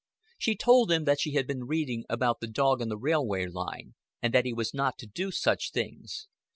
She told him that she had been reading about the dog on the railway line, and that he was not to do such things.